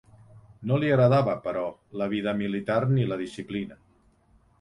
No li agradava, però, la vida militar ni la disciplina.